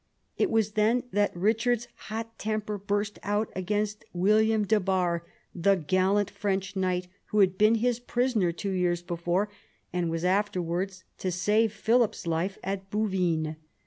It was then that Richard's hot temper burst out against William de Barres, the gallant French knight who had been his prisoner two years before, and was afterwards to save Philip's life at Bouvines.